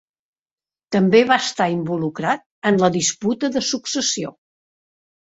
També va estar involucrat en la disputa de successió.